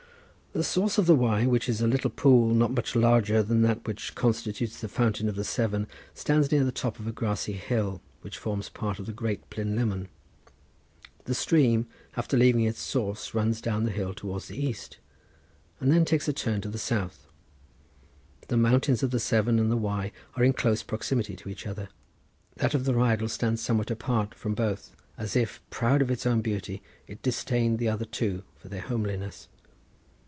The source of the Wye, which is a little pool, not much larger than that which constitutes the fountain of the Severn, stands near the top of a grassy hill which forms part of the Great Plynlimmon. The stream after leaving its source runs down the hill towards the east, and then takes a turn to the south. The fountains of the Severn and the Wye are in close proximity to each other. That of the Rheidol stands somewhat apart from both, as if, proud of its own beauty, it disdained the other two for their homeliness.